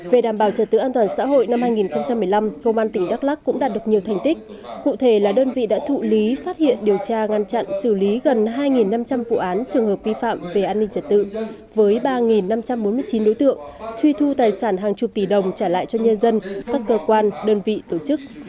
về đảm bảo trật tự an toàn xã hội năm hai nghìn một mươi năm công an tỉnh đắk lắc cũng đạt được nhiều thành tích cụ thể là đơn vị đã thụ lý phát hiện điều tra ngăn chặn xử lý gần hai năm trăm linh vụ án trường hợp vi phạm về an ninh trật tự với ba năm trăm bốn mươi chín đối tượng truy thu tài sản hàng chục tỷ đồng trả lại cho nhân dân các cơ quan đơn vị tổ chức